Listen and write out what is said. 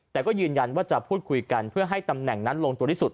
แต่ก็ยืนยันว่าจะพูดคุยกันเพื่อให้ตำแหน่งนั้นลงตัวที่สุด